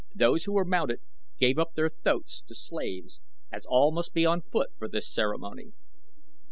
Those who were mounted gave up their thoats to slaves as all must be on foot for this ceremony.